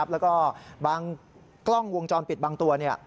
แล้วก็บางกล้องวงจรปิดบางตัว